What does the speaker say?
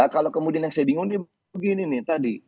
kalau kemudian yang saya bingung nih begini nih tadi